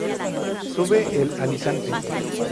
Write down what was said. Sube el Alicante.